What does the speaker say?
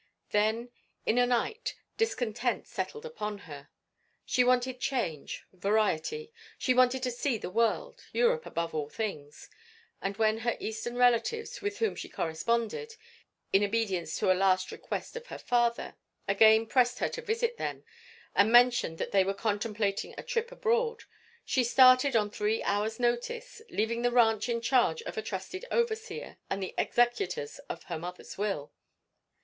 Then, in a night, discontent settled upon her. She wanted change, variety; she wanted to see the world—Europe above all things; and when her Eastern relatives, with whom she corresponded, in obedience to a last request of her father, again pressed her to visit them, and mentioned that they were contemplating a trip abroad, she started on three hours' notice, leaving the ranch in charge of a trusted overseer and the executors of her mother's will.